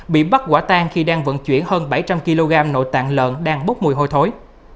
bị bắt quả tan khi đang vận chuyển hơn bảy trăm linh kg nội tạng lợn đang bốc mùi hôi thối